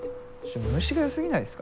虫がよすぎないですか？